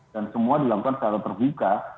dan semua dilakukan secara terbuka